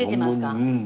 うん。